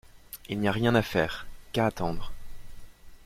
Il n’y a rien à faire, qu’à attendre.